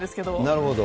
なるほど。